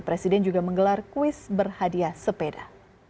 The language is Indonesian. presiden juga menggelar kuis berhadiah sepeda